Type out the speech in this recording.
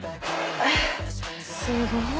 すごい。